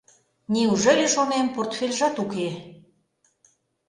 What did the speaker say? Неужели, шонем, портфельжат уке?